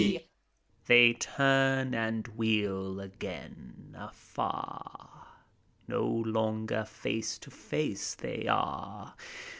They turn and wheel again, afar; No longer face to face they are.